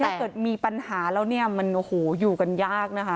ถ้าเกิดมีปัญหาแล้วมันอยู่กันยากนะคะ